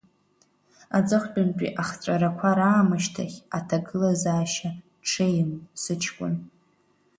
Аҵыхәтәантәи ахҵәарақәа раамышьҭахь аҭагылазаашьа ҽеим сыҷкәын!